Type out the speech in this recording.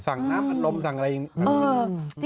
น้ำอัดลมสั่งอะไรอย่างนี้